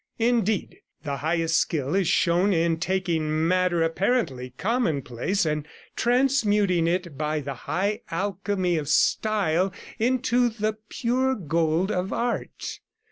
Indeed, the highest skill is shown in taking matter apparently commonplace and transmuting it by the high alchemy of style into the pure gold of art.'